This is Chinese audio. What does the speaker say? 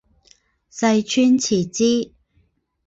细川持之。